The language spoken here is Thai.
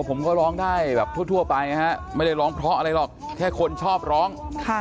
ผมก็ร้องได้แบบทั่วไปนะฮะไม่ได้ร้องเพราะอะไรหรอกแค่คนชอบร้อง